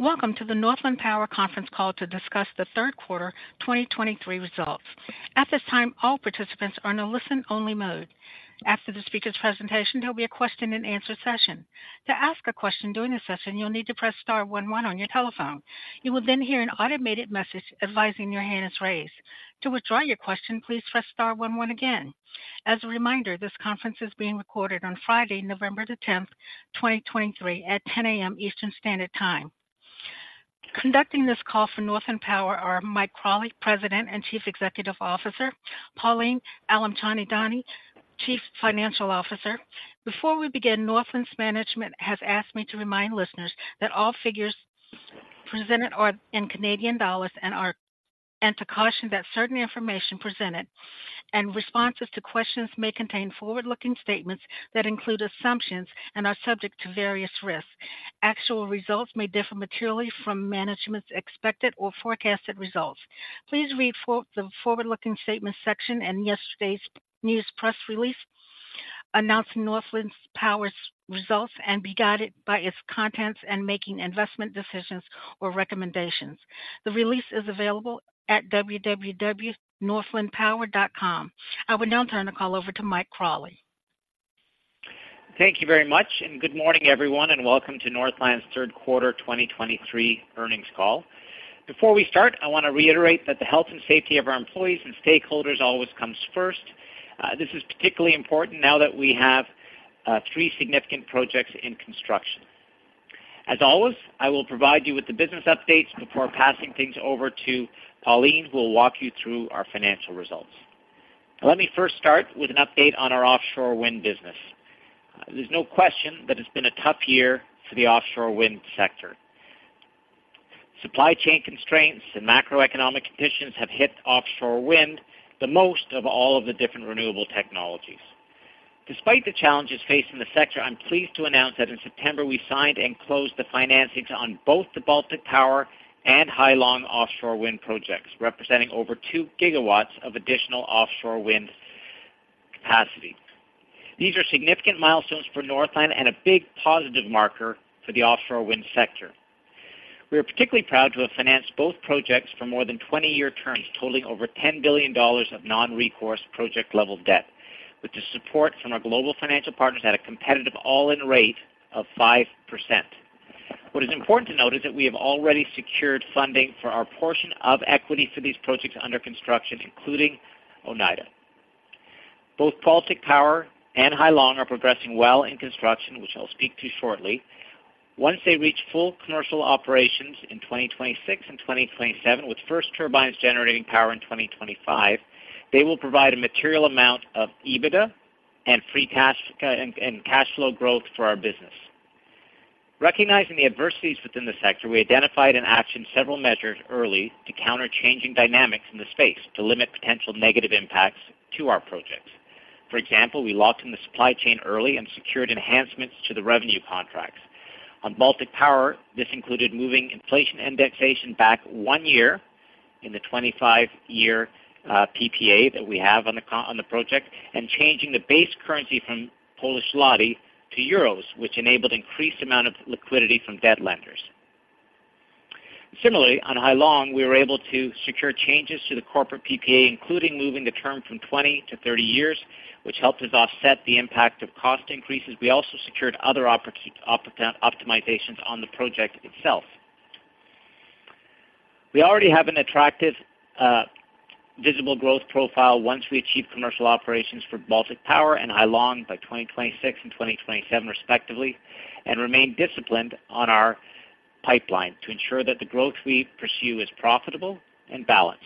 Welcome to the Northland Power Conference Call to discuss the third quarter 2023 results. At this time, all participants are in a listen-only mode. After the speaker's presentation, there'll be a question-and-answer session. To ask a question during the session, you'll need to press star one, one on your telephone. You will then hear an automated message advising your hand is raised. To withdraw your question, please press star one, one again. As a reminder, this conference is being recorded on Friday, November 10, 2023, at 10 A.M. Eastern Standard Time. Conducting this call for Northland Power are Mike Crawley, President and Chief Executive Officer, Pauline Alimchandani, Chief Financial Officer. Before we begin, Northland's management has asked me to remind listeners that all figures presented are in Canadian dollars and are... To caution that certain information presented and responses to questions may contain forward-looking statements that include assumptions and are subject to various risks. Actual results may differ materially from management's expected or forecasted results. Please read the forward-looking statements section in yesterday's news press release announcing Northland Power's results and be guided by its contents in making investment decisions or recommendations. The release is available at www.northlandpower.com. I will now turn the call over to Mike Crawley. Thank you very much, and good morning, everyone, and welcome to Northland's third quarter 2023 earnings call. Before we start, I want to reiterate that the health and safety of our employees and stakeholders always comes first. This is particularly important now that we have three significant projects in construction. As always, I will provide you with the business updates before passing things over to Pauline, who will walk you through our financial results. Let me first start with an update on our offshore wind business. There's no question that it's been a tough year for the offshore wind sector. Supply chain constraints and macroeconomic conditions have hit offshore wind the most of all of the different renewable technologies. Despite the challenges facing the sector, I'm pleased to announce that in September, we signed and closed the financings on both the Baltic Power and Hai Long offshore wind projects, representing over 2 gigawatts of additional offshore wind capacity. These are significant milestones for Northland and a big positive marker for the offshore wind sector. We are particularly proud to have financed both projects for more than 20-year terms, totaling over $10,000,000,000 of non-recourse project-level debt, with the support from our global financial partners at a competitive all-in rate of 5%. What is important to note is that we have already secured funding for our portion of equity for these projects under construction, including Oneida. Both Baltic Power and Hai Long are progressing well in construction, which I'll speak to shortly. Once they reach full commercial operations in 2026 and 2027, with first turbines generating power in 2025, they will provide a material amount of EBITDA and free cash and cash flow growth for our business. Recognizing the adversities within the sector, we identified and actioned several measures early to counterchanging dynamics in the space to limit potential negative impacts to our projects. For example, we locked in the supply chain early and secured enhancements to the revenue contracts. On Baltic Power, this included moving inflation indexation back one year in the 25-year PPA that we have on the project, and changing the base currency from Polish zloty to euros, which enabled increased amount of liquidity from debt lenders. Similarly, on Hai Long, we were able to secure changes to the corporate PPA, including moving the term from 20 to 30 years, which helped us offset the impact of cost increases. We also secured other optimizations on the project itself. We already have an attractive, visible growth profile once we achieve commercial operations for Baltic Power and Hai Long by 2026 and 2027, respectively, and remain disciplined on our pipeline to ensure that the growth we pursue is profitable and balanced.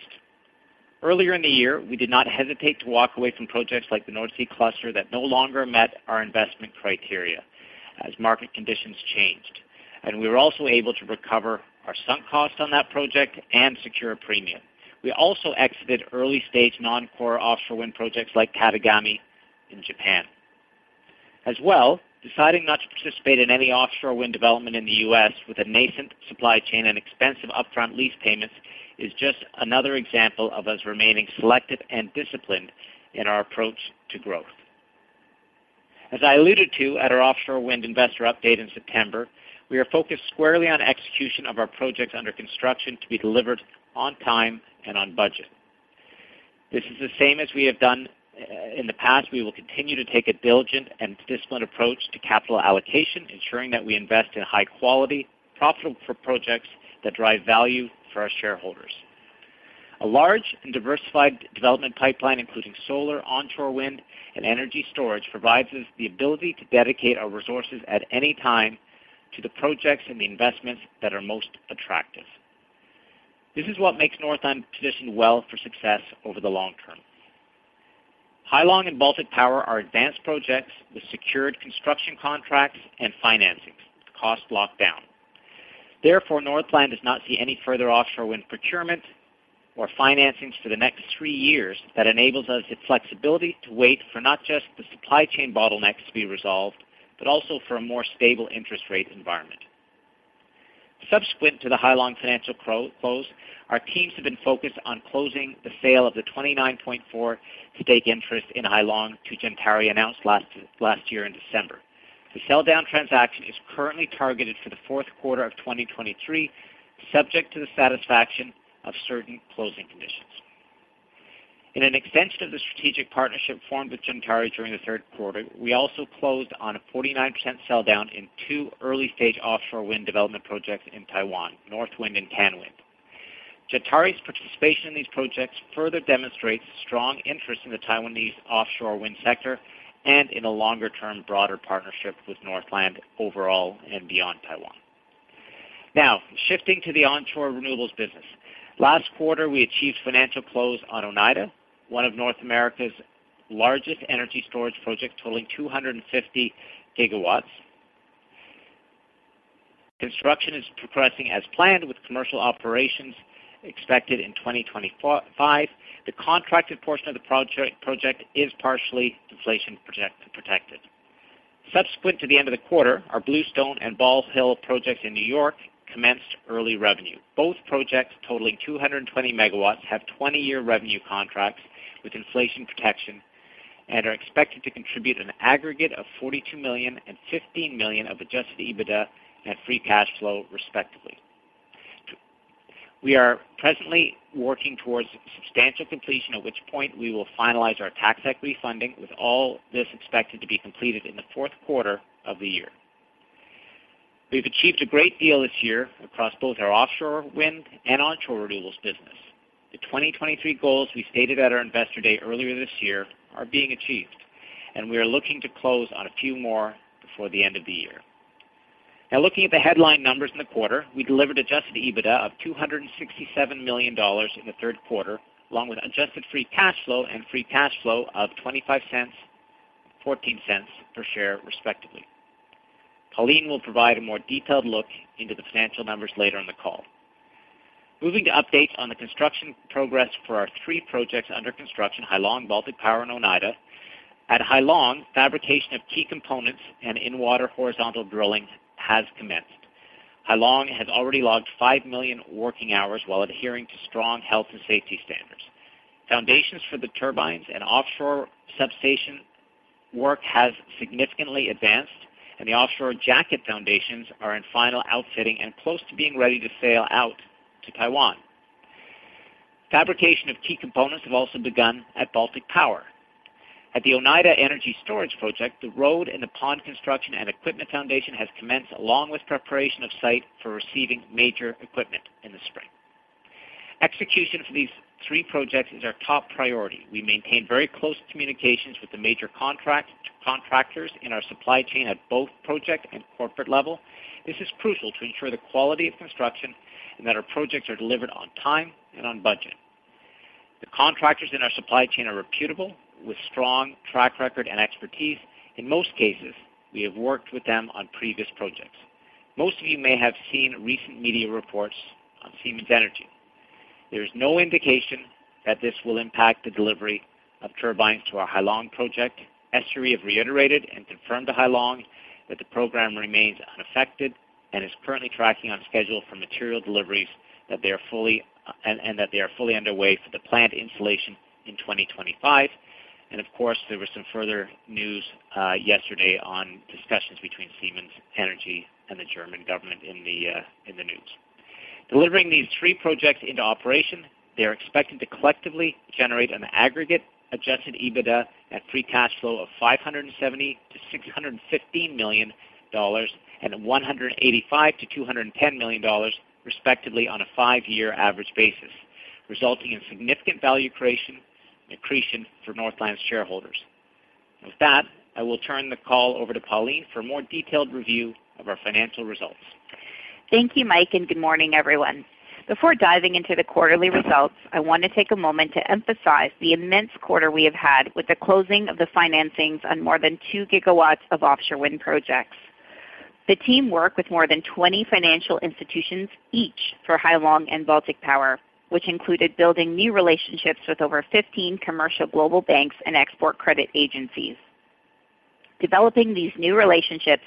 Earlier in the year, we did not hesitate to walk away from projects like the North Sea Cluster that no longer met our investment criteria as market conditions changed, and we were also able to recover our sunk cost on that project and secure a premium. We also exited early-stage non-core offshore wind projects like Katagami in Japan. As well, deciding not to participate in any offshore wind development in the U.S. with a nascent supply chain and expensive upfront lease payments is just another example of us remaining selective and disciplined in our approach to growth. As I alluded to at our offshore wind investor update in September, we are focused squarely on execution of our projects under construction to be delivered on time and on budget. This is the same as we have done in the past. We will continue to take a diligent and disciplined approach to capital allocation, ensuring that we invest in high quality, profitable projects that drive value for our shareholders. A large and diversified development pipeline, including solar, onshore wind, and energy storage, provides us the ability to dedicate our resources at any time to the projects and the investments that are most attractive. This is what makes Northland positioned well for success over the long term. Hai Long and Baltic Power are advanced projects with secured construction contracts and financings, cost locked down. Therefore, Northland does not see any further offshore wind procurement or financings for the next three years that enables us the flexibility to wait for not just the supply chain bottlenecks to be resolved, but also for a more stable interest rate environment. Subsequent to the Hai Long financial close, our teams have been focused on closing the sale of the 29.4 stake interest in Hai Long, which Gentari announced last year in December. The sell-down transaction is currently targeted for the fourth quarter of 2023, subject to the satisfaction of certain closing conditions. In an extension of the strategic partnership formed with Gentari during the third quarter, we also closed on a 49% sell down in two early-stage offshore wind development projects in Taiwan, NorthWind and CanWind. Gentari's participation in these projects further demonstrates strong interest in the Taiwanese offshore wind sector and in a longer-term, broader partnership with Northland overall and beyond Taiwan. Now, shifting to the onshore renewables business. Last quarter, we achieved financial close on Oneida, one of North America's largest energy storage projects, totaling 250 gigawatts. Construction is progressing as planned, with commercial operations expected in 2025. The contracted portion of the project is partially inflation protected. Subsequent to the end of the quarter, our Bluestone and Ball Hill projects in New York commenced early revenue. Both projects, totaling 220 MW, have 20-year revenue contracts with inflation protection and are expected to contribute an aggregate of 42,000,000 and 15,000,000 of adjusted EBITDA and free cash flow, respectively. We are presently working towards substantial completion, at which point we will finalize our tax equity funding, with all this expected to be completed in the fourth quarter of the year. We've achieved a great deal this year across both our offshore wind and onshore renewables business. The 2023 goals we stated at our Investor Day earlier this year are being achieved, and we are looking to close on a few more before the end of the year. Now, looking at the headline numbers in the quarter, we delivered adjusted EBITDA of 267,000,000 dollars in the third quarter, along with adjusted free cash flow and free cash flow of 0.25, 0.14 per share, respectively. Pauline will provide a more detailed look into the financial numbers later in the call. Moving to updates on the construction progress for our 3 projects under construction, Hai Long, Baltic Power, and Oneida. At Hai Long, fabrication of key components and in-water horizontal drilling has commenced. Hai Long has already logged 5,000,000 working hours while adhering to strong health and safety standards. Foundations for the turbines and offshore substation work has significantly advanced, and the offshore jacket foundations are in final outfitting and close to being ready to sail out to Taiwan. Fabrication of key components have also begun at Baltic Power. At the Oneida Energy Storage Project, the road and the pond construction and equipment foundation has commenced, along with preparation of site for receiving major equipment in the spring. Execution for these three projects is our top priority. We maintain very close communications with the major contractors in our supply chain at both project and corporate level. This is crucial to ensure the quality of construction and that our projects are delivered on time and on budget. The contractors in our supply chain are reputable, with strong track record and expertise. In most cases, we have worked with them on previous projects. Most of you may have seen recent media reports on Siemens Energy. There is no indication that this will impact the delivery of turbines to our Hai Long project. SGRE have reiterated and confirmed to Hai Long that the program remains unaffected and is currently tracking on schedule for material deliveries, that they are fully underway for the planned installation in 2025. Of course, there was some further news yesterday on discussions between Siemens Energy and the German government in the news. Delivering these three projects into operation, they are expected to collectively generate an aggregate adjusted EBITDA and free cash flow of $570,000,000-$615,000,000, and $185,000,000-$210,000,000, respectively, on a five-year average basis, resulting in significant value creation and accretion for Northland's shareholders. With that, I will turn the call over to Pauline for a more detailed review of our financial results. Thank you, Mike, and good morning, everyone. Before diving into the quarterly results, I want to take a moment to emphasize the immense quarter we have had with the closing of the financings on more than two gigawatts of offshore wind projects. The team worked with more than 20 financial institutions, each for Hai Long and Baltic Power, which included building new relationships with over 15 commercial global banks and export credit agencies. Developing these new relationships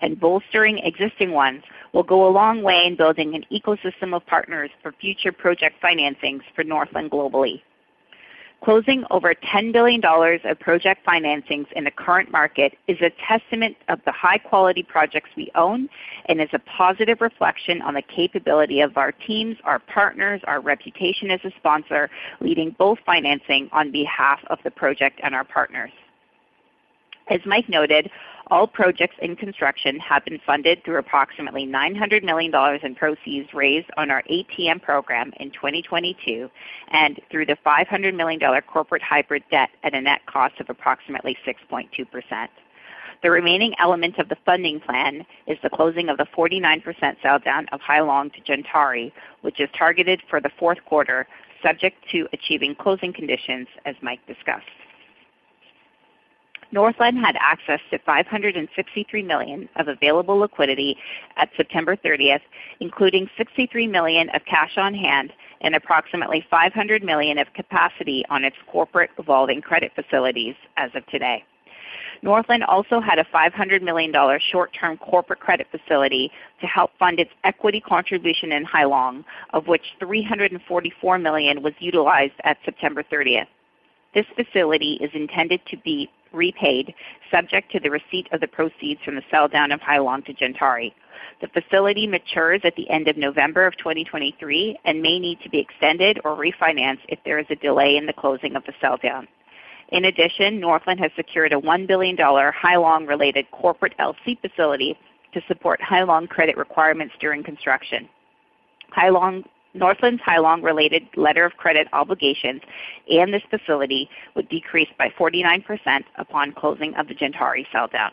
and bolstering existing ones will go a long way in building an ecosystem of partners for future project financings for Northland globally. Closing over $10,000,000,000 of project financings in the current market is a testament of the high-quality projects we own and is a positive reflection on the capability of our teams, our partners, our reputation as a sponsor, leading both financing on behalf of the project and our partners. As Mike noted, all projects in construction have been funded through approximately CAD 900,000,000in proceeds raised on our ATM program in 2022, and through the 500,000,000 dollar corporate hybrid debt at a net cost of approximately 6.2%. The remaining element of the funding plan is the closing of the 49% sell-down of Hai Long to Gentari, which is targeted for the fourth quarter, subject to achieving closing conditions, as Mike discussed. Northland had access to 563,000,000 of available liquidity at September 30, including 63,000,000 of cash on hand and approximately 500,000,000 of capacity on its corporate revolving credit facilities as of today. Northland also had a 500,000,000 dollar short-term corporate credit facility to help fund its equity contribution in Hai Long, of which 344,000,000 was utilized at September 30. This facility is intended to be repaid, subject to the receipt of the proceeds from the sell down of Hai Long to Gentari. The facility matures at the end of November 2023 and may need to be extended or refinanced if there is a delay in the closing of the sell down. In addition, Northland has secured a 1,000,000,000 dollar Hai Long-related corporate LC facility to support Hai Long credit requirements during construction. Hai Long, Northland's Hai Long-related letter of credit obligations and this facility would decrease by 49% upon closing of the Gentari sell down.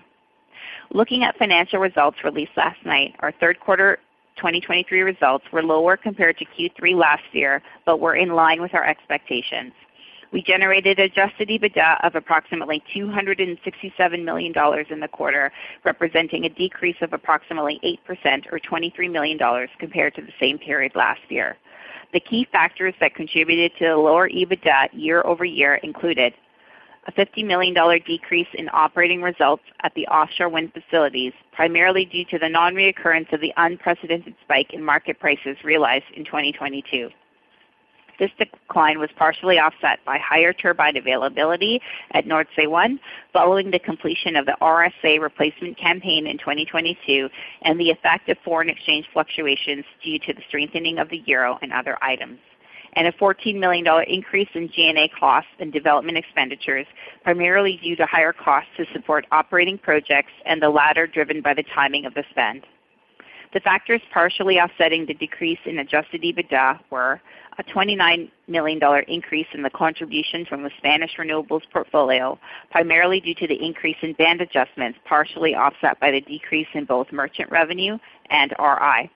Looking at financial results released last night, our third quarter 2023 results were lower compared to Q3 last year, but were in line with our expectations. We generated adjusted EBITDA of approximately 267,000,000 dollars in the quarter, representing a decrease of approximately 8% or 23,000,000 dollars compared to the same period last year. The key factors that contributed to the lower EBITDA year-over-year included: a 50,000,000 dollar decrease in operating results at the offshore wind facilities, primarily due to the non-recurrence of the unprecedented spike in market prices realized in 2022. This decline was partially offset by higher turbine availability at Nordsee One, following the completion of the RSA replacement campaign in 2022, and the effect of foreign exchange fluctuations due to the strengthening of the euro and other items. A 14,000,000 dollar increase in G&A costs and development expenditures, primarily due to higher costs to support operating projects and the latter driven by the timing of the spend. The factors partially offsetting the decrease in adjusted EBITDA were a 29,000,000 dollar increase in the contribution from the Spanish renewables portfolio, primarily due to the increase in band adjustments, partially offset by the decrease in both merchant revenue and RI.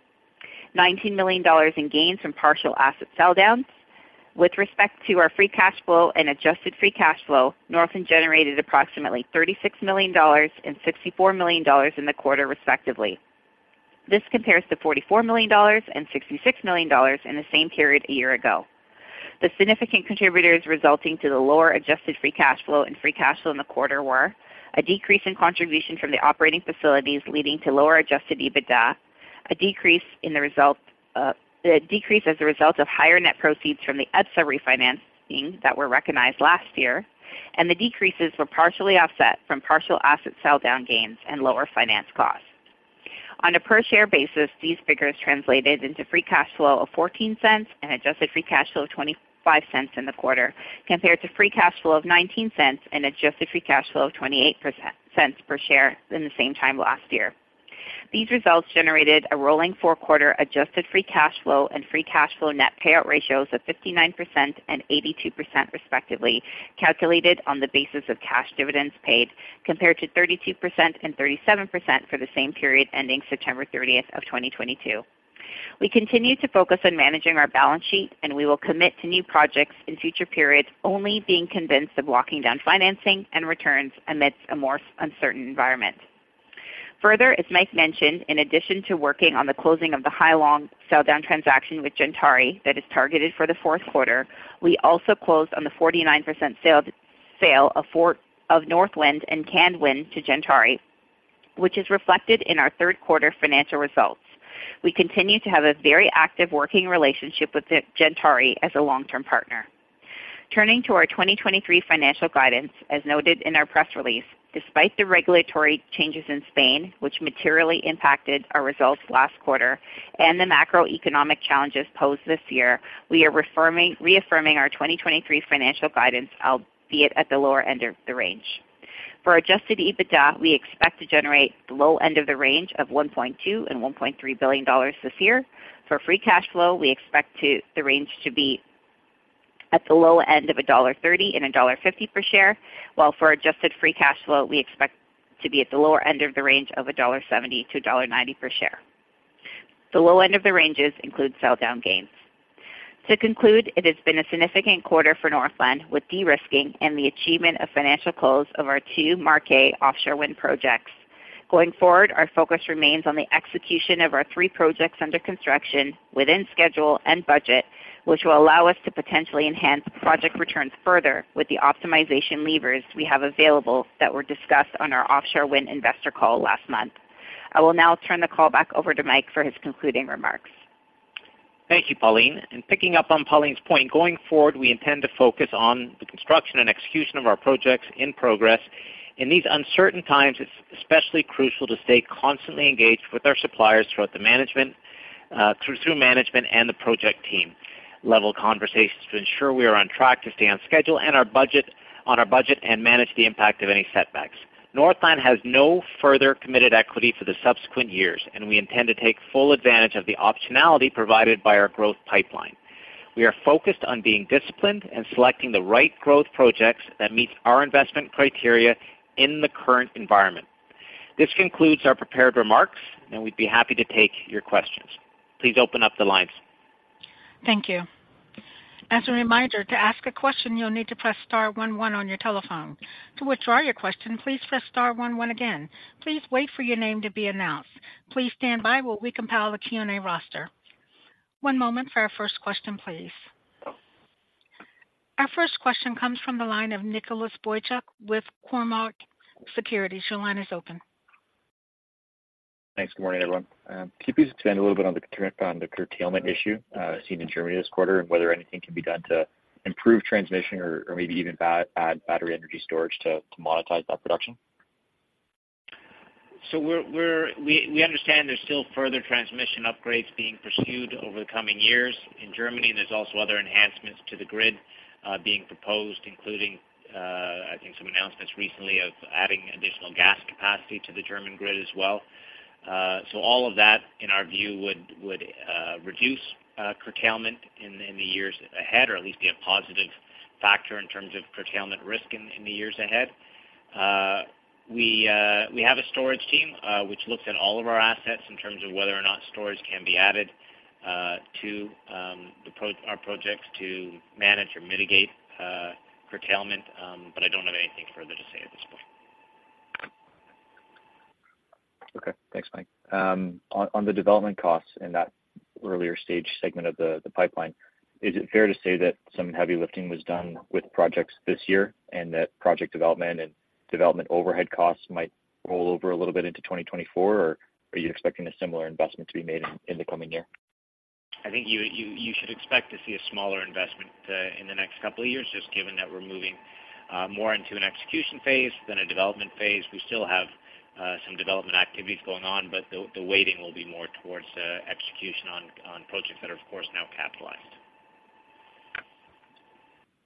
19,000,000 dollars in gains from partial asset sell downs. With respect to our free cash flow and adjusted free cash flow, Northland generated approximately 36,000,000 dollars and 64,000,000 dollars in the quarter, respectively. This compares to 44,000,000 dollars and 66,000,000 dollars in the same period a year ago. The significant contributors resulting to the lower adjusted free cash flow and free cash flow in the quarter were a decrease in contribution from the operating facilities leading to lower adjusted EBITDA, a decrease in the result, a decrease as a result of higher net proceeds from the EPSA refinancing that were recognized last year, and the decreases were partially offset from partial asset sell-down gains and lower finance costs. On a per-share basis, these figures translated into free cash flow of 0.14 and adjusted free cash flow of 0.25 in the quarter, compared to free cash flow of 0.19 and adjusted free cash flow of 0.28 cents per share in the same time last year. These results generated a rolling four-quarter adjusted free cash flow and free cash flow net payout ratios of 59% and 82%, respectively, calculated on the basis of cash dividends paid, compared to 32% and 37% for the same period ending September 30 of 2022. We continue to focus on managing our balance sheet, and we will commit to new projects in future periods only being convinced of locking down financing and returns amidst a more uncertain environment. Further, as Mike mentioned, in addition to working on the closing of the Hai Long sell-down transaction with Gentari that is targeted for the fourth quarter, we also closed on the 49% sale of 40% of Northland and NorthWind to Gentari, which is reflected in our third quarter financial results. We continue to have a very active working relationship with Gentari as a long-term partner. Turning to our 2023 financial guidance, as noted in our press release, despite the regulatory changes in Spain, which materially impacted our results last quarter and the macroeconomic challenges posed this year, we are reaffirming our 2023 financial guidance, albeit at the lower end of the range. For adjusted EBITDA, we expect to generate the low end of the range of 1,200,000,000-1,300,000,000 dollars this year. For free cash flow, we expect the range to be at the low end of 1.30-1.50 dollar per share, while for adjusted free cash flow, we expect to be at the lower end of the range of 1.70-1.90 dollar per share. The low end of the ranges include sell down gains. To conclude, it has been a significant quarter for Northland, with de-risking and the achievement of financial goals of our two marquee offshore wind projects. Going forward, our focus remains on the execution of our three projects under construction within schedule and budget, which will allow us to potentially enhance project returns further with the optimization levers we have available that were discussed on our offshore wind investor call last month. I will now turn the call back over to Mike for his concluding remarks. Thank you, Pauline. And picking up on Pauline's point, going forward, we intend to focus on the construction and execution of our projects in progress. In these uncertain times, it's especially crucial to stay constantly engaged with our suppliers throughout the management and the project team-level conversations to ensure we are on track to stay on schedule and on our budget and manage the impact of any setbacks. Northland has no further committed equity for the subsequent years, and we intend to take full advantage of the optionality provided by our growth pipeline. We are focused on being disciplined and selecting the right growth projects that meets our investment criteria in the current environment. This concludes our prepared remarks, and we'd be happy to take your questions. Please open up the lines. Thank you. As a reminder, to ask a question, you'll need to press star one one on your telephone. To withdraw your question, please press star one one again. Please wait for your name to be announced. Please stand by while we compile the Q&A roster. One moment for our first question, please. Our first question comes from the line of Nicholas Boychuk with Cormark Securities. Your line is open. Thanks. Good morning, everyone. Can you please expand a little bit on the current, on the curtailment issue, seen in Germany this quarter, and whether anything can be done to improve transmission or, or maybe even add battery energy storage to, to monetize that production? So we understand there's still further transmission upgrades being pursued over the coming years in Germany. There's also other enhancements to the grid being proposed, including I think some announcements recently of adding additional gas capacity to the German grid as well. So all of that, in our view, would reduce curtailment in the years ahead, or at least be a positive factor in terms of curtailment risk in the years ahead. We have a storage team which looks at all of our assets in terms of whether or not storage can be added to our projects to manage or mitigate curtailment. But I don't have anything further to say at this point. Okay. Thanks, Mike. On the development costs in that earlier stage segment of the pipeline, is it fair to say that some heavy lifting was done with projects this year, and that project development and development overhead costs might roll over a little bit into 2024? Or are you expecting a similar investment to be made in the coming year? I think you should expect to see a smaller investment in the next couple of years, just given that we're moving more into an execution phase than a development phase. We still have some development activities going on, but the weighting will be more towards execution on projects that are, of course, now capitalized.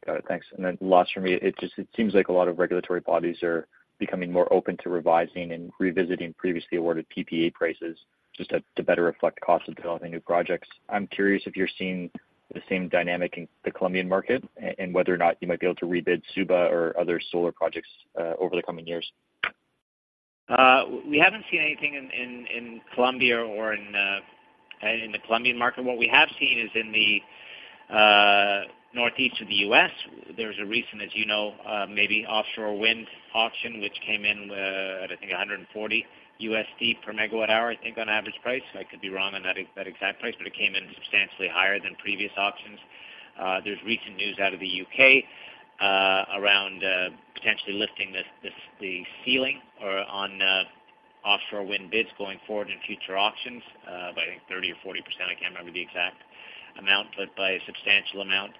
Got it. Thanks. And then last for me, it seems like a lot of regulatory bodies are becoming more open to revising and revisiting previously awarded PPA prices, just to, to better reflect the cost of developing new projects. I'm curious if you're seeing the same dynamic in the Colombian market, and whether or not you might be able to rebid Suba or other solar projects, over the coming years. We haven't seen anything in Colombia or in the Colombian market. What we have seen is in the Northeast of the U.S., there's a recent, as you know, maybe offshore wind auction, which came in at, I think, $140 per megawatt hour, I think, on average price. I could be wrong on that exact price, but it came in substantially higher than previous auctions. There's recent news out of the U.K. around potentially lifting this the ceiling or on offshore wind bids going forward in future auctions by, I think, 30% or 40%. I can't remember the exact amount, but by a substantial amount.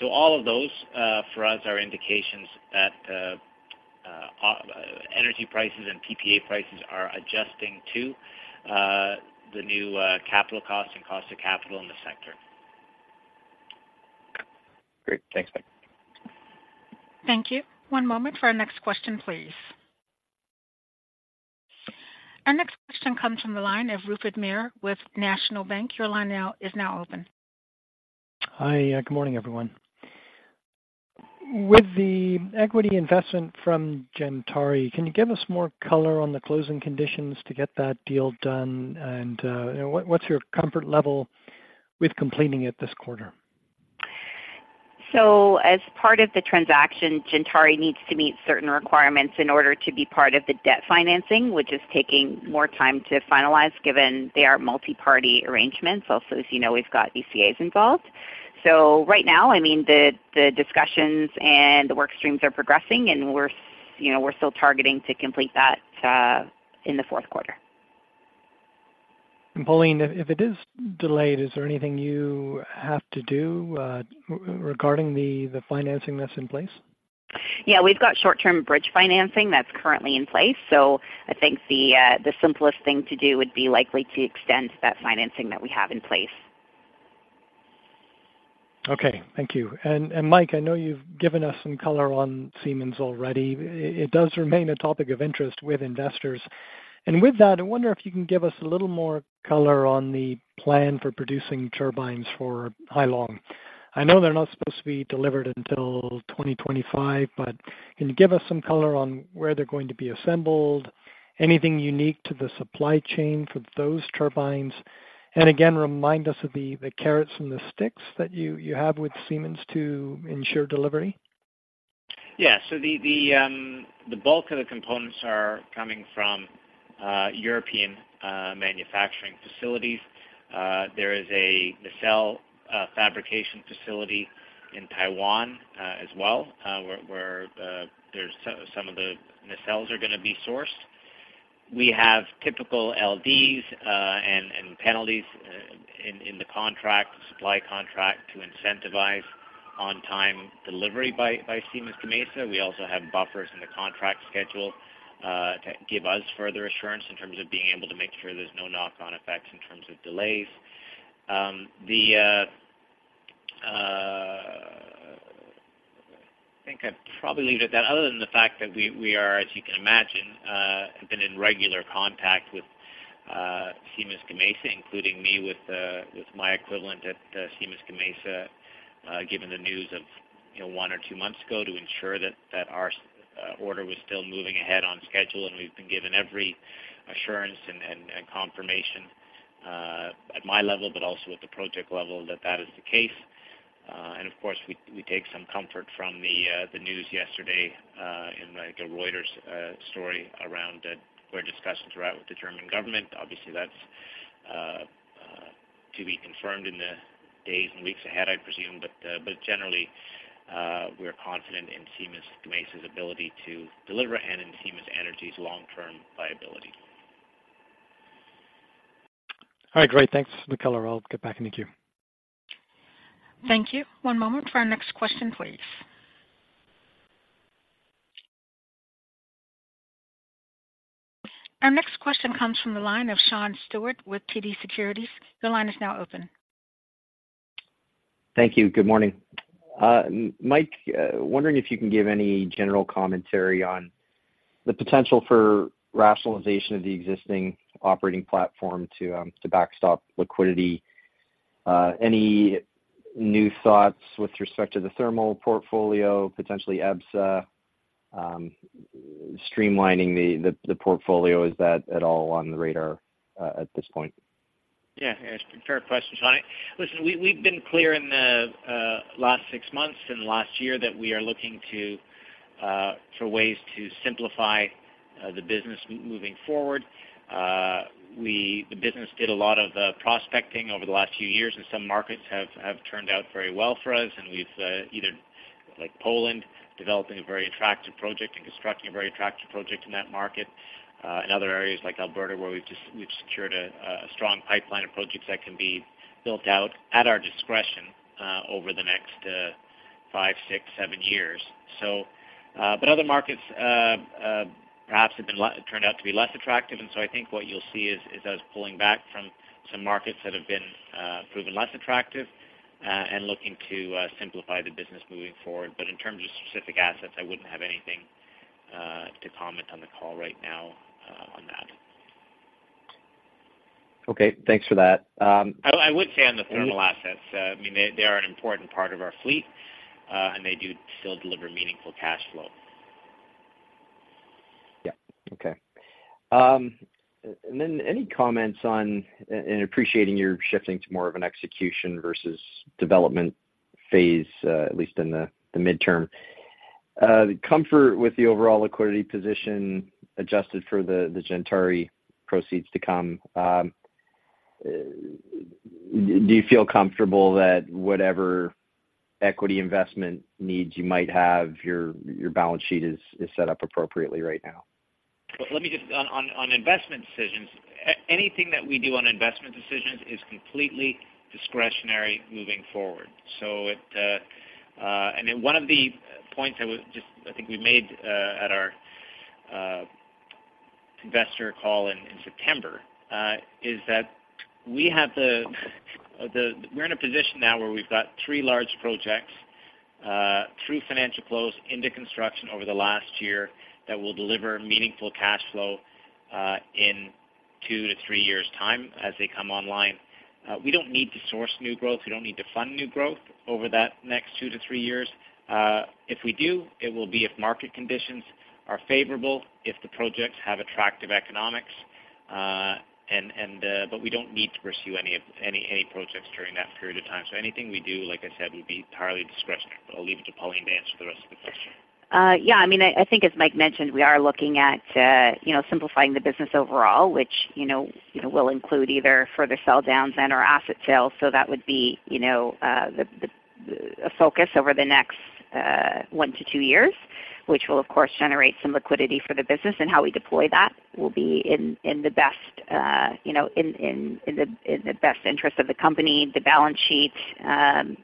So all of those, for us, are indications that energy prices and PPA prices are adjusting to the new capital costs and cost of capital in the sector. Great. Thanks, Mike. Thank you. One moment for our next question, please. Our next question comes from the line of Rupert Merer with National Bank. Your line is now open. Hi, good morning, everyone. With the equity investment from Gentari, can you give us more color on the closing conditions to get that deal done? And, what's your comfort level with completing it this quarter? So as part of the transaction, Gentari needs to meet certain requirements in order to be part of the debt financing, which is taking more time to finalize, given they are multi-party arrangements. Also, as you know, we've got ECAs involved. So right now, I mean, the discussions and the work streams are progressing, and we're you know, we're still targeting to complete that, in the fourth quarter. Pauline, if it is delayed, is there anything you have to do regarding the financing that's in place? Yeah, we've got short-term bridge financing that's currently in place. So I think the, the simplest thing to do would be likely to extend that financing that we have in place. Okay. Thank you. And Mike, I know you've given us some color on Siemens already. It does remain a topic of interest with investors. And with that, I wonder if you can give us a little more color on the plan for producing turbines for Hai Long. I know they're not supposed to be delivered until 2025, but can you give us some color on where they're going to be assembled? Anything unique to the supply chain for those turbines? And again, remind us of the carrots and the sticks that you have with Siemens to ensure delivery. Yeah. So the bulk of the components are coming from European manufacturing facilities. There is a nacelle fabrication facility in Taiwan as well, where some of the nacelles are gonna be sourced. We have typical LDs and penalties in the contract, supply contract to incentivize on-time delivery by Siemens Gamesa. We also have buffers in the contract schedule to give us further assurance in terms of being able to make sure there's no knock-on effects in terms of delays. The... I think I'd probably leave it at that, other than the fact that we are, as you can imagine, have been in regular contact with Siemens Gamesa, including me with my equivalent at Siemens Gamesa, given the news of, you know, one or two months ago, to ensure that our order was still moving ahead on schedule. And we've been given every assurance and confirmation at my level, but also at the project level, that that is the case. And of course, we take some comfort from the news yesterday in like a Reuters story around that where discussions are at with the German government. Obviously, that's to be confirmed in the days and weeks ahead, I presume. But generally, we're confident in Siemens Gamesa's ability to deliver and in Siemens Energy's long-term viability. All right, great. Thanks for the color. I'll get back in the queue. Thank you. One moment for our next question, please. Our next question comes from the line of Sean Steuart with TD Securities. Your line is now open. Thank you. Good morning. Mike, wondering if you can give any general commentary on the potential for rationalization of the existing operating platform to backstop liquidity. Any new thoughts with respect to the thermal portfolio, potentially EPSA, streamlining the portfolio? Is that at all on the radar at this point? Yeah, it's a fair question, Sean. Listen, we, we've been clear in the, last six months and last year that we are looking to, for ways to simplify, the business moving forward. We, the business did a lot of, prospecting over the last few years, and some markets have turned out very well for us, and we've either, like Poland, developing a very attractive project and constructing a very attractive project in that market. In other areas, like Alberta, where we've secured a strong pipeline of projects that can be built out at our discretion, over the next, five, six, seven years. But other markets, perhaps have been turned out to be less attractive, and so I think what you'll see is us pulling back from some markets that have been proven less attractive, and looking to simplify the business moving forward. But in terms of specific assets, I wouldn't have anything to comment on the call right now, on that. Okay, thanks for that. I would say on the thermal assets, I mean, they are an important part of our fleet, and they do still deliver meaningful cash flow. Yeah. Okay. And then any comments on, and appreciating you're shifting to more of an execution versus development phase, at least in the midterm. Comfort with the overall liquidity position, adjusted for the Gentari proceeds to come. Do you feel comfortable that whatever equity investment needs you might have, your balance sheet is set up appropriately right now? Well, let me just-- on investment decisions, anything that we do on investment decisions is completely discretionary moving forward. So it... And then one of the points I was just, I think, we made, at our investor call in September, is that we have the-- we're in a position now where we've got three large projects through financial close into construction over the last year, that will deliver meaningful cash flow, in two to three years' time as they come online. We don't need to source new growth. We don't need to fund new growth over that next two to three years. If we do, it will be if market conditions are favorable, if the projects have attractive economics, but we don't need to pursue any projects during that period of time. So anything we do, like I said, would be entirely discretionary. But I'll leave it to Pauline to answer the rest of the question. Yeah, I mean, I think as Mike mentioned, we are looking at, you know, simplifying the business overall, which, you know, will include either further sell-downs and/or asset sales. So that would be, you know, a focus over the next 1-2 years, which will, of course, generate some liquidity for the business. And how we deploy that will be in the best, you know, in the best interest of the company, the balance sheet,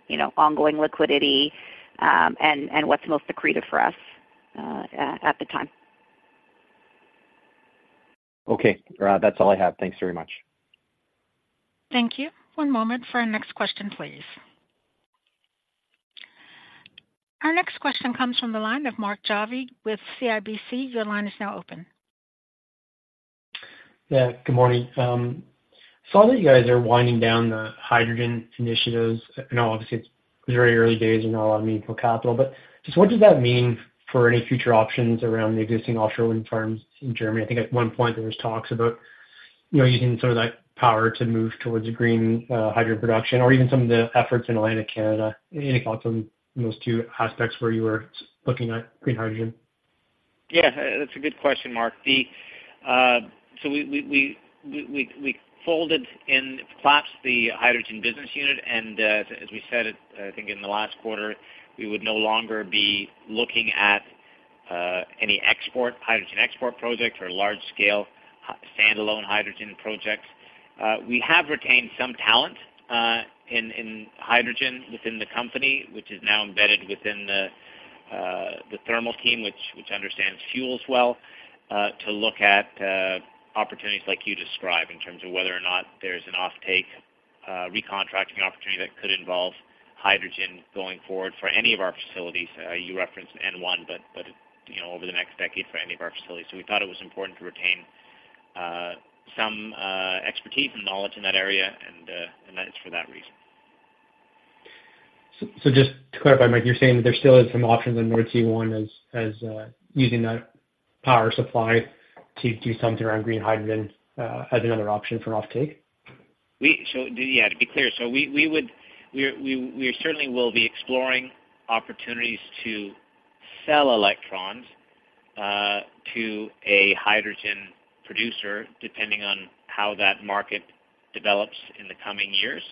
you know, ongoing liquidity, and what's most accretive for us, at the time. Okay. That's all I have. Thanks very much. Thank you. One moment for our next question, please. Our next question comes from the line of Mark Jarvi with CIBC. Your line is now open. Yeah, good morning. Saw that you guys are winding down the hydrogen initiatives. I know, obviously, it's very early days and not a lot of meaningful capital. But just what does that mean for any future options around the existing offshore wind farms in Germany? I think at one point there was talks about, you know, using sort of that power to move towards a green hydrogen production or even some of the efforts in Atlantic Canada. Any thoughts on those two aspects where you were looking at green hydrogen? Yeah, that's a good question, Mark. The... So we folded and collapsed the hydrogen business unit, and, as we said, I think in the last quarter, we would no longer be looking at any export, hydrogen export projects or large-scale standalone hydrogen projects. We have retained some talent in hydrogen within the company, which is now embedded within the thermal team, which understands fuels well, to look at opportunities like you described, in terms of whether or not there's an offtake recontracting opportunity that could involve hydrogen going forward for any of our facilities. You referenced N1, but you know, over the next decade, for any of our facilities. So we thought it was important to retain some expertise and knowledge in that area, and that is for that reason. Just to clarify, Mike, you're saying that there still is some options on Nordsee One using that power supply to do something around green hydrogen as another option for offtake? So, yeah, to be clear, we certainly will be exploring opportunities to sell electrons to a hydrogen producer, depending on how that market develops in the coming years.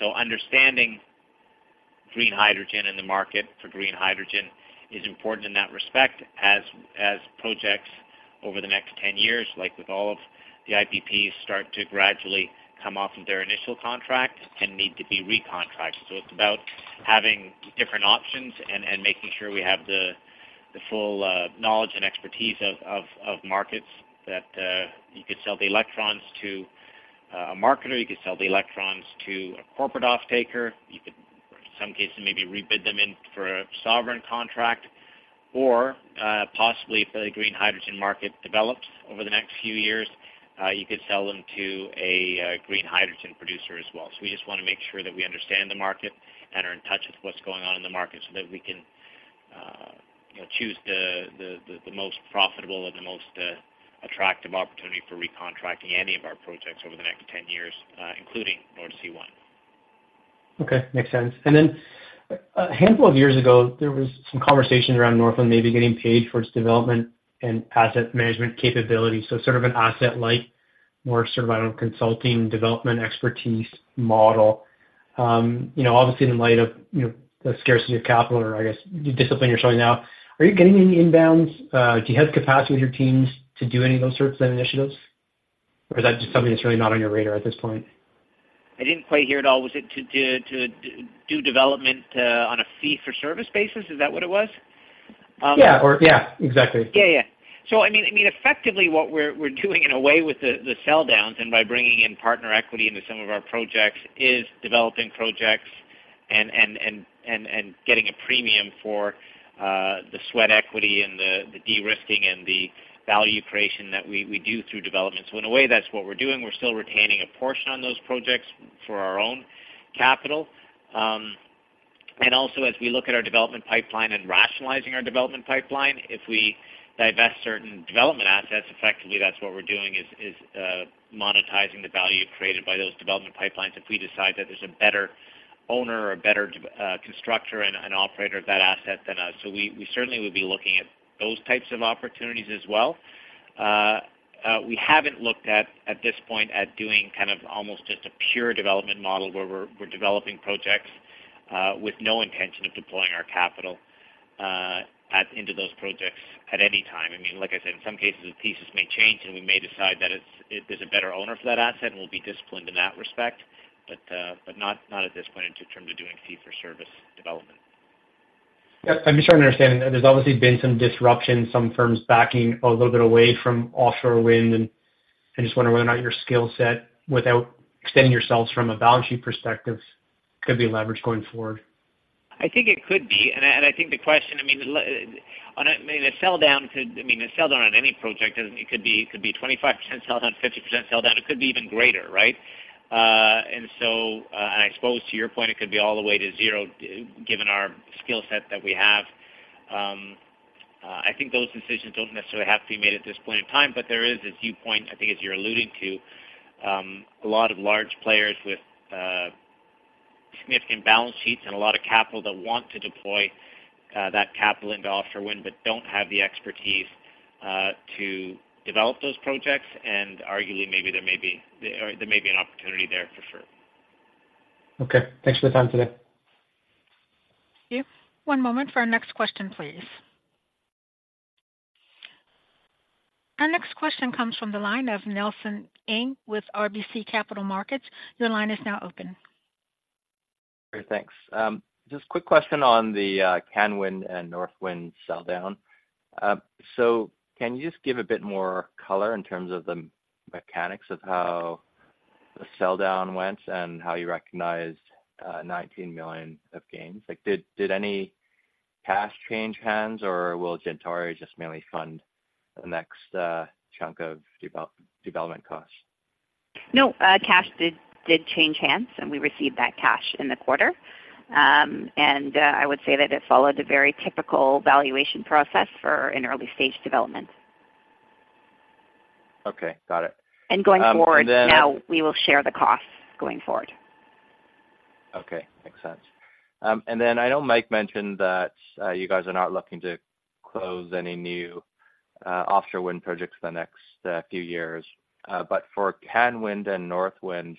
So understanding green hydrogen and the market for green hydrogen is important in that respect as projects over the next 10 years, like with all of the IPPs, start to gradually come off of their initial contracts and need to be recontracted. So it's about having different options and making sure we have the full knowledge and expertise of markets that you could sell the electrons to, a marketer, you could sell the electrons to a corporate offtaker. You could, in some cases, maybe rebid them in for a sovereign contract, or, possibly, if a green hydrogen market develops over the next few years, you could sell them to a, green hydrogen producer as well. So we just want to make sure that we understand the market and are in touch with what's going on in the market so that we can, you know, choose the most profitable or the most, attractive opportunity for recontracting any of our projects over the next 10 years, including Nordsee One. Okay, makes sense. And then a handful of years ago, there was some conversation around Northland maybe getting paid for its development and asset management capabilities. So sort of an asset-light, more sort of, I don't know, consulting, development, expertise model. You know, obviously, in light of, you know, the scarcity of capital, or I guess, the discipline you're showing now, are you getting any inbounds? Do you have capacity with your teams to do any of those sorts of initiatives, or is that just something that's really not on your radar at this point? I didn't quite hear it all. Was it to do development on a fee-for-service basis? Is that what it was? Yeah, or yeah, exactly. Yeah, yeah. So I mean, effectively, what we're doing in a way with the sell-downs and by bringing in partner equity into some of our projects, is developing projects and getting a premium for the sweat equity and the de-risking and the value creation that we do through development. So in a way, that's what we're doing. We're still retaining a portion on those projects for our own capital. And also, as we look at our development pipeline and rationalizing our development pipeline, if we divest certain development assets, effectively that's what we're doing, is monetizing the value created by those development pipelines if we decide that there's a better owner or a better constructor and operator of that asset than us. So we certainly would be looking at those types of opportunities as well. We haven't looked at this point at doing kind of almost just a pure development model where we're developing projects with no intention of deploying our capital into those projects at any time. I mean, like I said, in some cases, the pieces may change, and we may decide that there's a better owner for that asset, and we'll be disciplined in that respect. But not at this point in terms of doing fee-for-service development. Yeah, I'm just trying to understand. There's obviously been some disruption, some firms backing a little bit away from offshore wind, and I just wonder whether or not your skill set, without extending yourselves from a balance sheet perspective, could be leveraged going forward. I think it could be, and I think the question, I mean, on a, I mean, a sell-down could... I mean, a sell-down on any project, it could be, could be 25% sell-down, 50% sell-down. It could be even greater, right? And so, and I suppose to your point, it could be all the way to zero, given our skill set that we have. I think those decisions don't necessarily have to be made at this point in time, but there is a viewpoint, I think, as you're alluding to, a lot of large players with significant balance sheets and a lot of capital that want to deploy that capital into offshore wind, but don't have the expertise to develop those projects, and arguably, maybe there may be an opportunity there for sure. Okay, thanks for the time today. Thank you. One moment for our next question, please. Our next question comes from the line of Nelson Ng with RBC Capital Markets. Your line is now open. Great, thanks. Just a quick question on the TanWind and NorthWind sell-down. So can you just give a bit more color in terms of the mechanics of how the sell-down went and how you recognized 19,000,000 of gains? Like, did, did any cash change hands, or will Gentari just mainly fund the next chunk of development costs? No, cash did change hands, and we received that cash in the quarter. And, I would say that it followed a very typical valuation process for an early-stage development. Okay, got it. Going forward- And then- Now we will share the costs going forward. Okay, makes sense. And then I know Mike mentioned that you guys are not looking to close any new offshore wind projects the next few years. But for TanWind and NorthWind,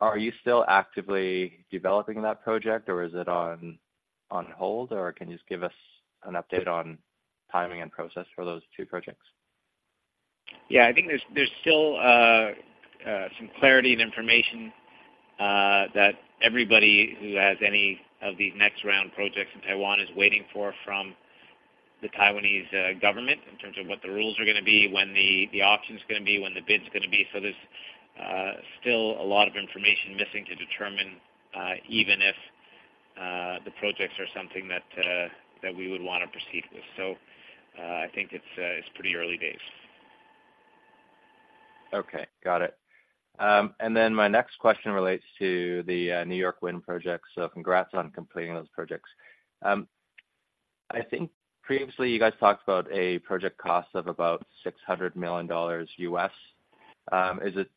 are you still actively developing that project, or is it on hold, or can you just give us an update on timing and process for those two projects? Yeah, I think there's still some clarity and information that everybody who has any of these next-round projects in Taiwan is waiting for from the Taiwanese government in terms of what the rules are gonna be, when the auction's gonna be, when the bid's gonna be. So there's still a lot of information missing to determine even if the projects are something that we would want to proceed with. So I think it's pretty early days. Okay, got it. And then my next question relates to the New York wind projects. So congrats on completing those projects. I think previously you guys talked about a project cost of about $600,000,000. Is it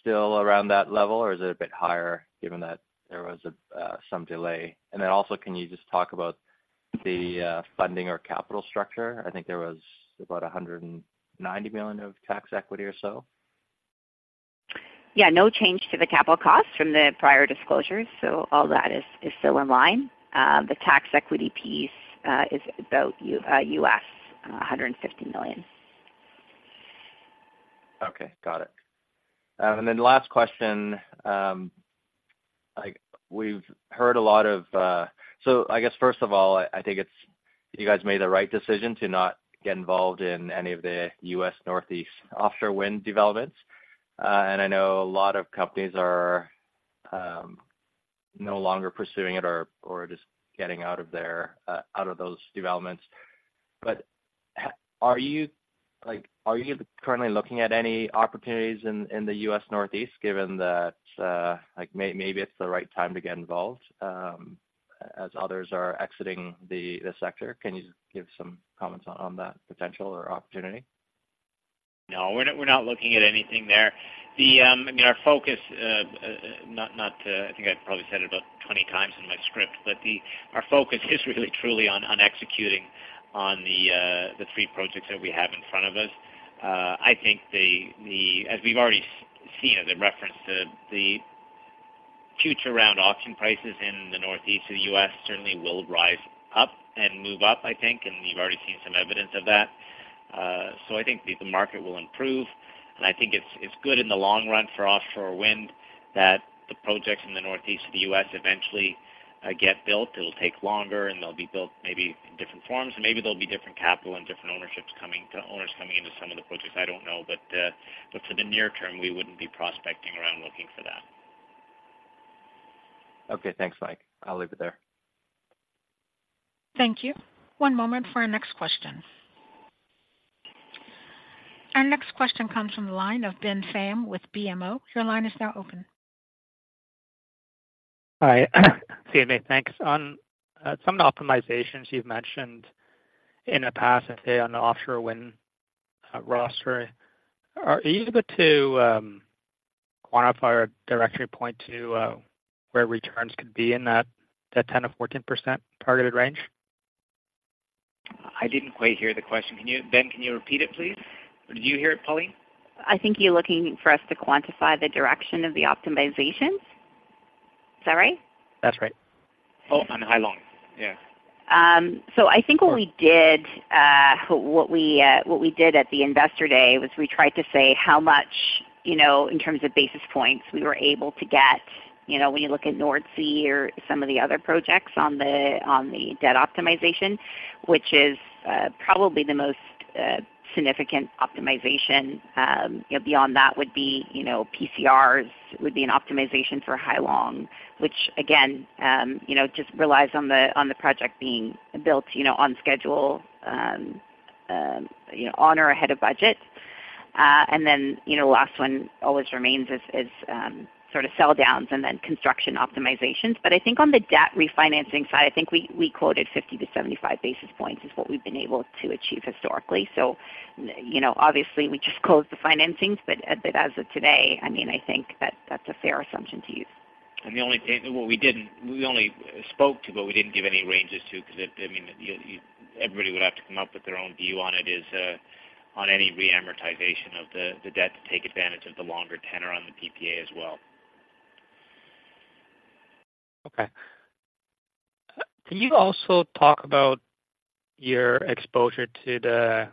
still around that level, or is it a bit higher, given that there was some delay? And then also, can you just talk about the funding or capital structure? I think there was about $190,000,000 of tax equity or so. Yeah, no change to the capital costs from the prior disclosures, so all that is still in line. The tax equity piece is about $150,000,000. Okay, got it. And then last question, like, we've heard a lot of— So I guess, first of all, I think it's, you guys made the right decision to not get involved in any of the U.S. Northeast offshore wind developments. And I know a lot of companies are no longer pursuing it or just getting out of there, out of those developments. But are you, like, are you currently looking at any opportunities in the U.S. Northeast, given that, like, maybe it's the right time to get involved, as others are exiting the sector? Can you just give some comments on that potential or opportunity? No, we're not. We're not looking at anything there. I mean, our focus. I think I've probably said it about 20 times in my script, but our focus is really truly on executing on the three projects that we have in front of us. I think, as we've already seen, as a reference to the future round auction prices in the northeast of the U.S., certainly will rise up and move up, I think, and we've already seen some evidence of that. So I think the market will improve, and I think it's good in the long run for offshore wind that the projects in the northeast of the U.S. eventually get built. It'll take longer, and they'll be built maybe in different forms, and maybe there'll be different capital and different ownerships coming to owners coming into some of the projects. I don't know. But for the near term, we wouldn't be prospecting around looking for that. Okay, thanks, Mike. I'll leave it there. Thank you. One moment for our next question. Our next question comes from the line of Ben Pham with BMO. Your line is now open. Hi. CMA, thanks. On some of the optimizations you've mentioned in the past, let's say, on the offshore wind roster, are you able to quantify or directly point to where returns could be in that 10%-14% targeted range? I didn't quite hear the question. Can you, Ben, can you repeat it, please? Or did you hear it, Pauline? I think you're looking for us to quantify the direction of the optimizations. Is that right? That's right. Oh, on Hai Long. Yeah. So I think what we did at the Investor Day was we tried to say how much, you know, in terms of basis points, we were able to get. You know, when you look at North Sea or some of the other projects on the debt optimization, which is probably the most significant optimization, you know, beyond that would be, you know, PCRs, would be an optimization for Hai Long, which again, you know, just relies on the project being built, you know, on schedule, you know, on or ahead of budget. And then, you know, last one always remains is sort of sell downs and then construction optimizations. But I think on the debt refinancing side, I think we quoted 50-75 basis points is what we've been able to achieve historically. So, you know, obviously, we just closed the financings, but as of today, I mean, I think that's a fair assumption to use. The only thing, what we didn't—we only spoke to, but we didn't give any ranges to, 'cause it, I mean, you everybody would have to come up with their own view on it, is on any reamortization of the debt to take advantage of the longer tenor on the PPA as well. Okay. Can you also talk about your exposure to the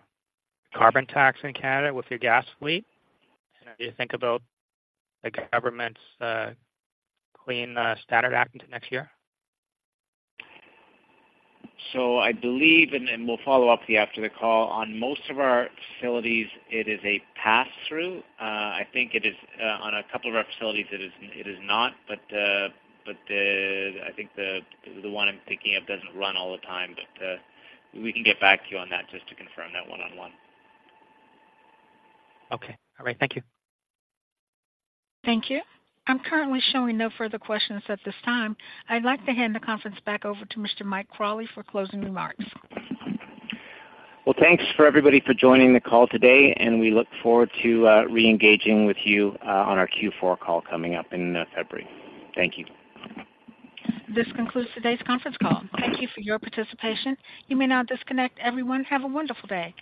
carbon tax in Canada with your gas fleet? And how do you think about the government's clean standard act into next year? So I believe, and we'll follow up with you after the call, on most of our facilities, it is a pass-through. I think it is, on a couple of our facilities it is not. But the one I'm thinking of doesn't run all the time. But we can get back to you on that, just to confirm that one-on-one. Okay. All right, thank you. Thank you. I'm currently showing no further questions at this time. I'd like to hand the conference back over to Mr. Mike Crawley for closing remarks. Well, thanks for everybody for joining the call today, and we look forward to reengaging with you on our Q4 call coming up in February. Thank you. This concludes today's conference call. Thank you for your participation. You may now disconnect. Everyone, have a wonderful day.